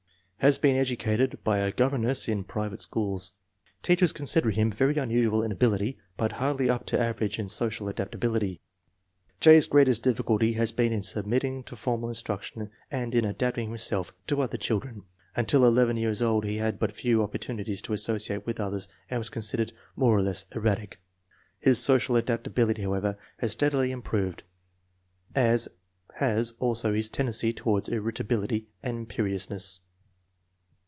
Has been educated by a gov erness and in private schools. Teachers consider him FORTY ONE SUPEETOR CHILDREN 241 very unusual in ability but hardly up to average in social adaptability. J.'s greatest difficulty has been in submitting to for mal instruction and in adapting himself to other chil dren. Until 11 years old he had but few opportunities to associate with others and was considered more or less erratic. His social adaptability, however, has steadily improved, as has also his tendency toward ir ritability and imperiousness.